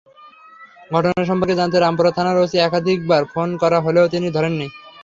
ঘটনা সম্পর্কে জানতে রামপুরা থানার ওসি একাধিকবার ফোন করা হলেও তিনি ধরেননি।